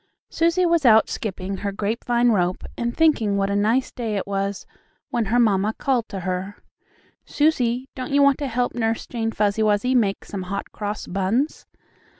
Susie was out skipping her grapevine rope, and thinking what a nice day it was, when her mamma called to her: "Susie, don't you want to help Nurse Jane Fuzzy Wuzzy make some Hot Cross Buns?"